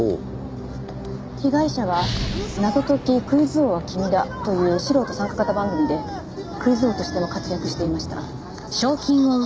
被害者は『謎解きクイズ王は君だ！』という素人参加型番組でクイズ王としても活躍していました。